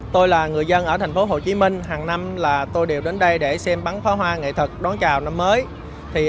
tôi là người dân ở tp hcm hàng năm là tôi đều đến đây để xem bắn phá hoa nghệ thuật đón chào năm mới